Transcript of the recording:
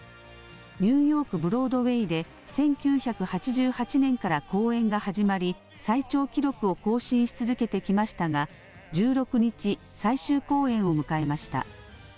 ニューヨーク・ブロードウェイで１９８８年から公演が始まり最長記録を更新し続けてきましたが１６日、最終公演を迎えました。